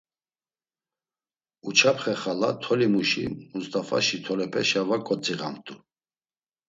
Uçapxe xala tolimuşi, Must̆afaşi tolepeşa va ǩotziğamt̆u.